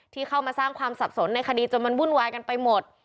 ที่เข้ามาสร้างความสับสนในคดีจนมันวุ่นวายกันไปหมด